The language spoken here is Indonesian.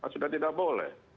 sudah tidak boleh